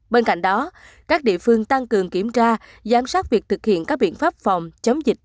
bên cạnh đó các địa phương tăng cường kiểm tra giám sát việc thực hiện các biện pháp phòng chống dịch